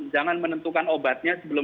jangan menentukan obatnya sebelum